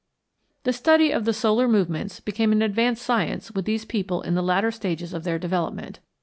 The study of the solar movements became an advanced science with these people in the latter stages of their development.